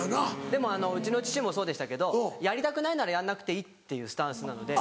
でもうちの父もそうでしたけどやりたくないならやんなくていいっていうスタンスなので。